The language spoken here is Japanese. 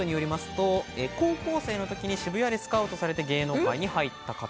高校生のときに渋谷でスカウトされて芸能界に入った方。